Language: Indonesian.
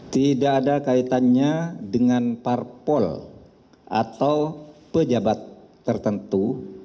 tidak ada kaitannya dengan parpol atau pejabat tertentu